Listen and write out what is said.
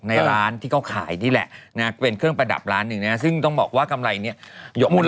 ร้านที่เขาขายนี่แหละนะเป็นเครื่องประดับร้านหนึ่งนะซึ่งต้องบอกว่ากำไรเนี่ย